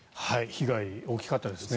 被害、大きかったですね。